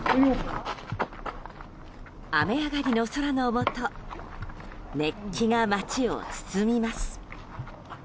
雨上がりの空の下熱気が街を包みます。